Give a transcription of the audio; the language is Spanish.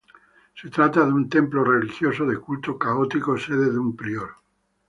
Se trata de un templo religioso de culto católico, sede de un prior.